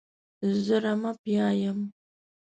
زه رمه پیايم.